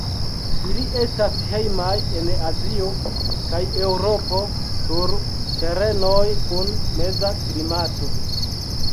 Ili estas hejmaj en Azio kaj Eŭropo sur terenoj kun meza klimato.